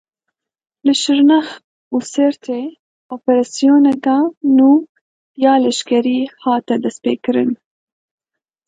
Li Şirnex û Sêrtê operasyoneka nû ya leşkerî hat destpêkirin.